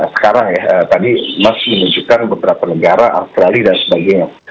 sekarang ya tadi mas menunjukkan beberapa negara australia dan sebagainya